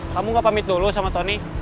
kamu gak pamit dulu sama tony